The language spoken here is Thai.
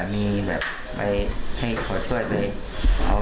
มาดูรักรอบหนึ่งวัน